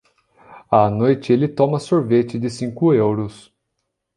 À noite ele toma sorvete de cinco euros.